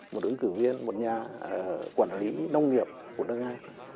một ứng cử viên một nhà quản lý nông nghiệp của đảng nga